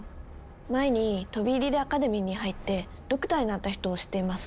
前に飛び入りでアカデミーに入ってドクターになった人を知っています。